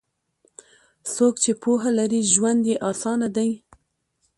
څوک چې پوهه لري، ژوند یې اسانه دی.